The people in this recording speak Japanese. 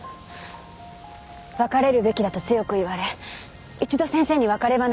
別れるべきだと強く言われ一度先生に別れ話を。